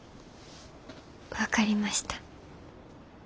分かりました。